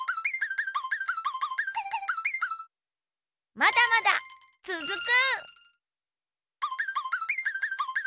まだまだつづく！